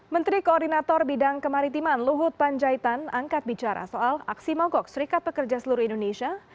menteri koordinator bidang kemaritiman luhut panjaitan angkat bicara soal aksi mogok serikat pekerja seluruh indonesia